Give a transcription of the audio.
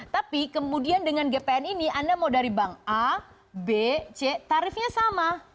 tapi kemudian dengan gpn ini anda mau dari bank a b c tarifnya sama